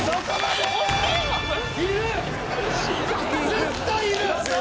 ［絶対いる！］